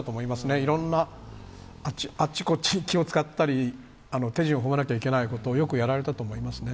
いろんな、あっちこっちに気を使ったり手順を踏まなきゃいけないことを、よくやられたと思いますね。